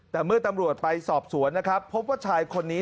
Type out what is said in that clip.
แต่เมื่อตำรวจไปสอบสวนนะครับพบว่าชายคนนี้